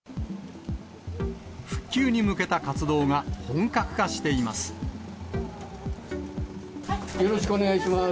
復旧に向けた活動が本格化しよろしくお願いします。